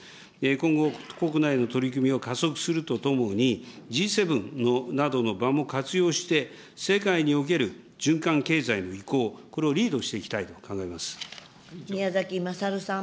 今後、国内の取り組みを加速するとともに、Ｇ７などの場も活用して、世界における循環経済の移行、これをリードしていきたいと考えま宮崎勝さん。